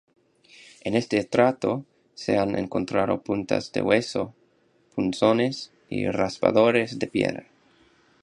En este estrato se han encontrado puntas de hueso, punzones y raspadores de piedra.